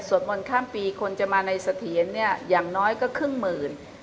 มนต์ข้ามปีคนจะมาในเสถียรเนี่ยอย่างน้อยก็ครึ่งหมื่น